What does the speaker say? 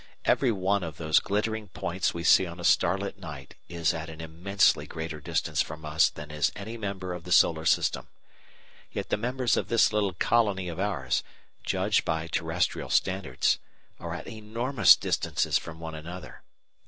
Every one of those glittering points we see on a starlit night is at an immensely greater distance from us than is any member of the Solar System. Yet the members of this little colony of ours, judged by terrestrial standards, are at enormous distances from one another.